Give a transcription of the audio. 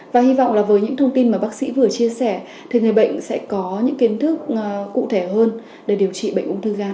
và hy vọng là với những thông tin mà bác sĩ vừa chia sẻ thì người bệnh sẽ có những kiến thức cụ thể hơn để điều trị bệnh ung thư ga